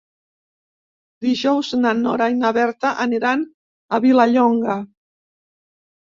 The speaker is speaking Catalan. Dijous na Nora i na Berta aniran a Vilallonga.